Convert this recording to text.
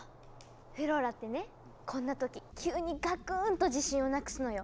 フローラってねこんな時急にガクーンと自信をなくすのよ。